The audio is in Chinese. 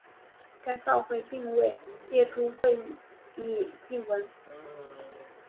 该照会并未列入会议记文。